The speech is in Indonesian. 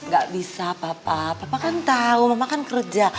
gak bisa papa papa kan tau mama kan kerja